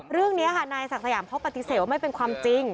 เรื่องนี้ค่ะนายศักดิ์สยามเขาปฏิเสธว่าไม่เป็นความจริง